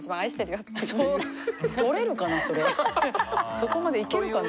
そこまでいけるかな。